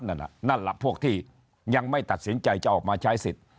นั่นนั่นแหละพวกที่ยังไม่ตัดสินใจจะออกมาใช้สิทธิ์